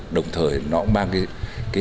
đồng thời nó mang cái hơi